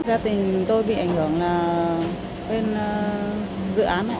gia tình tôi bị ảnh hưởng là bên dự án họ thu hồi đất ruộng vào nhà họ